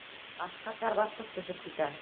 Аҫҡа тар баҫҡыс төшөп китә.